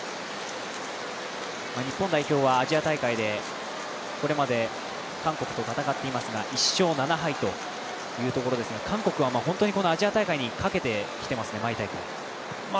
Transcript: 日本代表はアジア大会でこれまで韓国と戦っていますが１勝７敗というところですが、韓国はアジア大会にかけてきていますね。